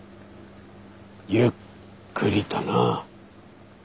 ゆっくりとな。